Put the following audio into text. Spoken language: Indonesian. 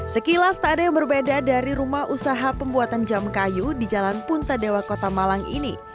sekilas tak ada yang berbeda dari rumah usaha pembuatan jam kayu di jalan punta dewa kota malang ini